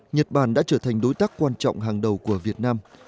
nhật bản đã trở thành đối tác quan trọng hàng đầu của việt nam